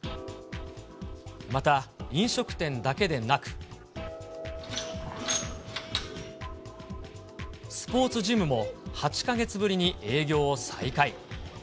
また飲食店だけでなく、スポーツジムも８か月ぶりに営業を再開。